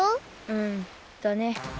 うんだね。